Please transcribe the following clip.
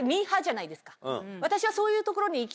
私は。